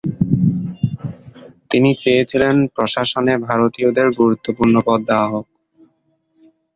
তিনি চেয়েছিলেন প্রশাসনে ভারতীয়দের গুরুত্বপূর্ণ পদ দেওয়া হোক।